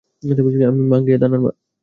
আমি সাঙ্গেয়া, ধানার মামা।